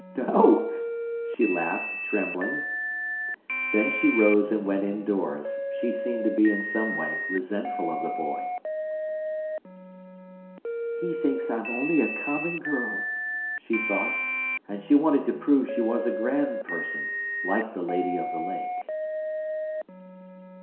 "No," she laughed, trembling. Then she rose and went indoors. She seemed to be in some way resentful of the boy. "He thinks I'm only a common girl," she thought, and she wanted to prove she was a grand person like the "Lady of the Lake".